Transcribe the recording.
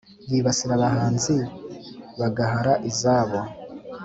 yibasira abahanzi bagahara izabo.